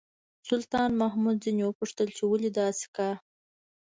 سلطان محمود ځنې وپوښتل چې ولې داسې کا.